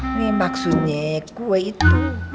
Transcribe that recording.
ini maksudnya kue itu